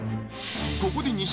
ここで仁